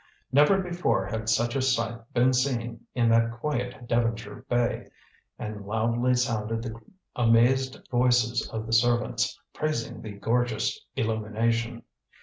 Never before had such a sight been seen in that quiet Devonshire bay, and loudly sounded the amazed voices of the servants, praising the gorgeous illumination.